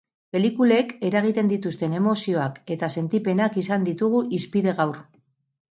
Pelikulek eragiten dituzten emozioak eta sentipenak izan ditugu hizpide gaur.